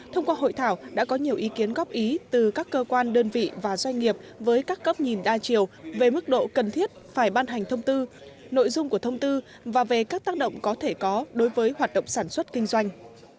thông qua hội thảo đã có nhiều ý kiến góp ý từ các cơ quan đơn vị và doanh nghiệp với các cấp nhìn đa chiều về mức độ cần thiết phải ban hành thông tư nội dung của thông tư và về các tác động có thể có đối với hoạt động sản xuất kinh doanh